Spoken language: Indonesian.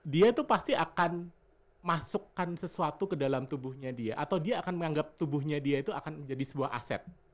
dia tuh pasti akan masukkan sesuatu ke dalam tubuhnya dia atau dia akan menganggap tubuhnya dia itu akan menjadi sebuah aset